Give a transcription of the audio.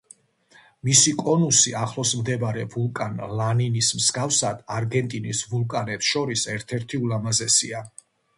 მისი კონუსი, ახლოს მდებარე ვულკან ლანინის მსგავსად, არგენტინის ვულკანებს შორის ერთ-ერთი ულამაზესია.